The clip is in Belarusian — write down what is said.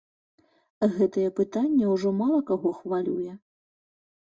Гэтае пытанне ўжо мала каго хвалюе.